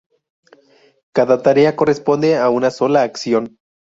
Cada tarea corresponde a una sola acción.